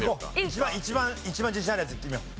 一番自信あるやついってみよう。